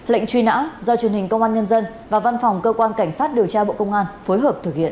lệnh truy nã do truyền hình công an nhân dân và văn phòng cơ quan cảnh sát điều tra bộ công an phối hợp thực hiện